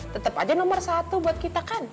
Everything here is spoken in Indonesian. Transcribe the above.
tetap aja nomor satu buat kita kan